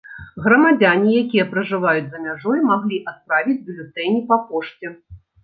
Грамадзяне, якія пражываюць за мяжой, маглі адправіць бюлетэні па пошце.